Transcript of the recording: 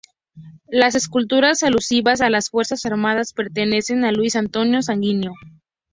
Las esculturas alusivas a las Fuerzas Armadas, pertenecen a Luis Antonio Sanguino.